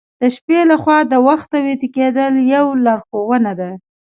د شپې له خوا د وخته ویده کیدل یو لارښوونه ده.